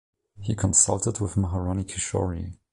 He consulted with Maharani Kishori.